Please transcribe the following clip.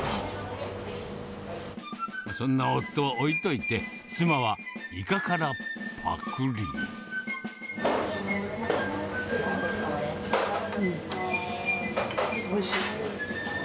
そんな夫を置いといて、うんうん、おいしい。